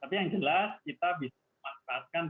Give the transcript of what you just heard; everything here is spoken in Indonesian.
tapi yang jelas kita bisa memanfaatkan